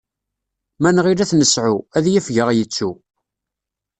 Ma nɣil ad t-nesɛu, ad yafeg ad aɣ-yettu.